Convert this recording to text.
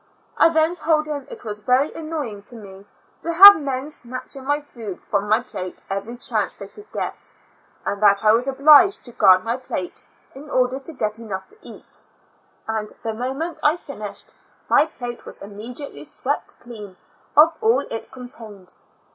I then told him it was very annoying to me to have men snatching my food from my plate every chance they could get, and that I was obliged to guard my plate in order to get enough to eat, and the moment I finished, my plate was immediately swept clean of all it con tained.